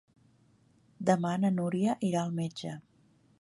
Demà na Núria irà al metge.